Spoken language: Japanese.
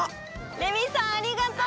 レミさんありがとう。